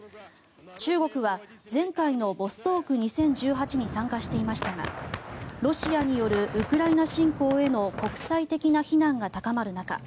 中国は、前回のボストーク２０１８に参加していましたがロシアによるウクライナ侵攻への国際的な非難が高まる中